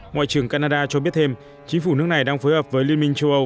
ngoại trưởng canada cho biết thêm chính phủ nước này đang phối hợp với liên minh châu âu